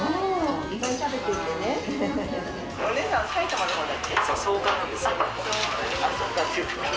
お姉さん埼玉の方だっけ？